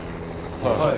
はい。